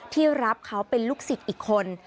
ที่รับเขาเป็นลูกศิษย์อีกคน